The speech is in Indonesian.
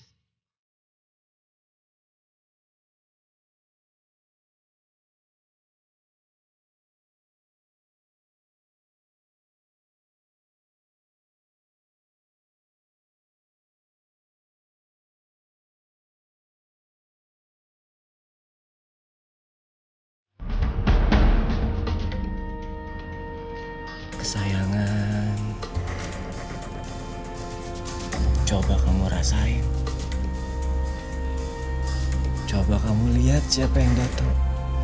hai kesayangan coba kamu rasain coba kamu lihat siapa yang datang